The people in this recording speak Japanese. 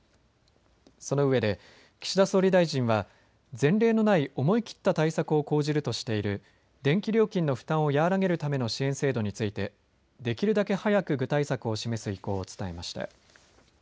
そのうえで、岸田総理大臣は前例のない思い切った対策を講じるとしている電気料金の負担を和らげるための支援制度についてできるだけ早く具体策を示す意向を伝えました。